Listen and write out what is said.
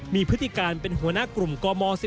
มีพฤติการเป็นหัวหน้ากลุ่มกม๔